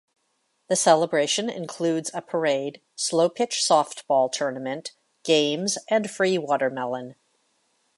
The celebration includes a parade, slow pitch softball tournament, games and free watermelon.